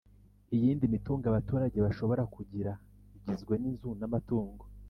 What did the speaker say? iyindi mitungo abaturage bashobora kugira igizwe n'inzu n'amatungo.